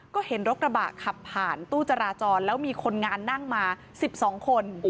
ก็เห็นรถกระบะขับผ่านตู้จราจรแล้วมีคนงานนั่งมา๑๒คน